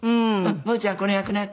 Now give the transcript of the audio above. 「“むーちゃんこの役な”って」